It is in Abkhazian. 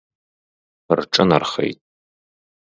Рҿынархеит!